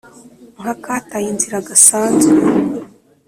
Nkakataye inzira gasanzwe